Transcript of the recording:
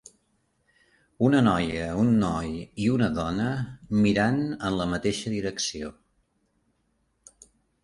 Una noia, un noi i una dona mirant en la mateixa direcció.